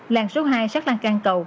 làng số hai sát làng can cầu